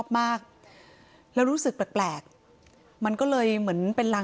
คุณยายบอกว่ารู้สึกเหมือนใครมายืนอยู่ข้างหลัง